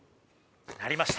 鳴りました。